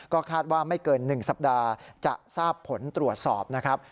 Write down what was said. ก็คาดว่าไม่เกิน๑สัปดาห์จะทราบผลตรวจสอบนะครับ